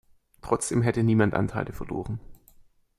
Trotzdem hätte niemand Anteile verloren.